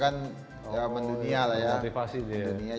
indonesia kan jawaban dunia lah ya